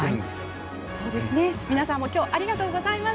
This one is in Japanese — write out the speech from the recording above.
皆さんも、きょうありがとうございました。